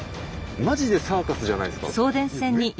マジでサーカスじゃないですか？